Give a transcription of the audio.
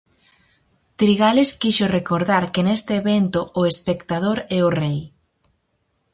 Trigales quixo recordar que neste evento "o espectador é o rei".